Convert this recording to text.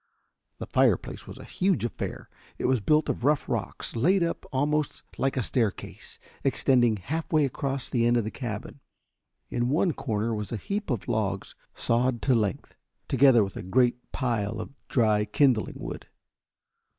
The fireplace was a huge affair. It was built of rough rocks, laid up almost like a staircase, extending half way across the end of the cabin. In one corner was a heap of logs sawed to length, together with a great pile of dry kindling wood.